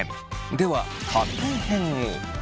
では発展編を。